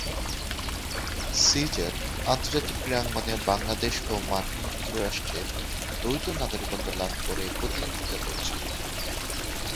Caesar আন্তর্জাতিক ক্রীড়াঙ্গনে বাংলাদেশ ও মার্কিন যুক্তরাষ্ট্রের দ্বৈত নাগরিকত্ব লাভ করে প্রতিদ্বন্দ্বিতা করছেন।